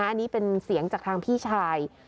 อันนี้เป็นเสียงจากทางพี่ชาย